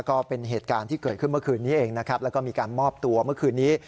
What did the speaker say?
ก็เป็นเหตุการณ์ที่เกิดขึ้นเมื่อคืนนี้เองนะครับแล้วก็มีการมอบตัวเมื่อคืนนี้